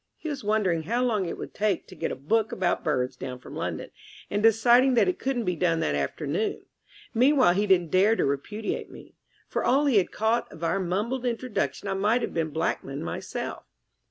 He was wondering how long it would take to get a book about birds down from London, and deciding that it couldn't be done that afternoon. Meanwhile he did not dare to repudiate me. For all he had caught of our mumbled introduction I might have been Blackman myself.